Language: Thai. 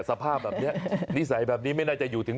สภาพนิสัยแบบนี้ไม่น่าจะอยู่ถึง๖๐